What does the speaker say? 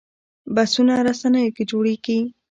بحثونه رسنیو کې جوړېږي